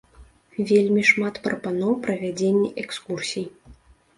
Вельмі шмат прапаноў правядзення экскурсій.